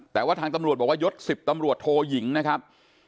แต่ว่าทางตำรวจบอกว่ายศ๑๐ตำรวจโทยิงนะครับ